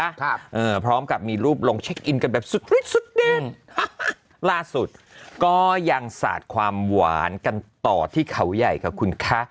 ครับเออพร้อมกับมีรูปลงเช็คอินกันแบบสุดฤทธิสุดเด้งล่าสุดก็ยังสาดความหวานกันต่อที่เขาใหญ่ค่ะคุณคะ